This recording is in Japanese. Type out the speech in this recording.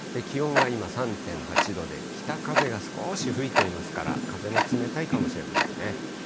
気温が今３．８度で、北風が少し吹いていますから、風も冷たいかもしれませんね。